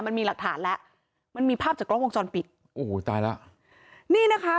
มันมีหลักฐานแล้วมันมีภาพจากกล้องวงจรปิดโอ้โหตายแล้วนี่นะคะ